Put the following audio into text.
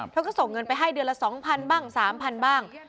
เธอก็ส่งเงินไปให้เดือนละ๒๐๐๐บ้าง๓๐๐บ้าง